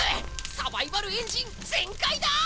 サバイバルエンジンぜんかいだ！